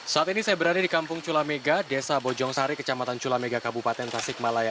saat ini saya berada di kampung cula mega desa bojong sari kecamatan cula mega kabupaten tasik malaya